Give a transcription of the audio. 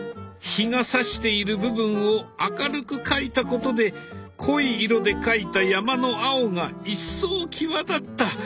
日がさしている部分を明るく描いたことで濃い色で描いた山の青が一層際立った。